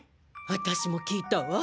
私も聞いたわ。